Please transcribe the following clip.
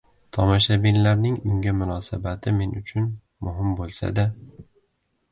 Tomoshabinlarning unga munosabati men uchun muhim bo‘lsa-da